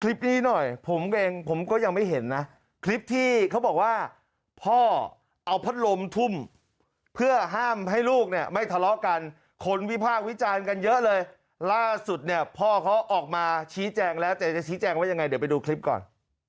คลิปนี้หน่อยผมเองผมก็ยังไม่เห็นนะคลิปที่เขาบอกว่าพ่อเอาพัดลมทุ่มเพื่อห้ามให้ลูกเนี่ยไม่ทะเลาะกันคนวิพากษ์วิจารณ์กันเยอะเลยล่าสุดเนี่ยพ่อเขาออกมาชี้แจงแล้วแต่จะชี้แจงว่ายังไงเดี๋ยวไปดูคลิปก่อน